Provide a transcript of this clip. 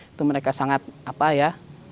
itu mereka sangat apa ya